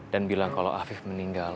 dan bilang kalau afid meninggal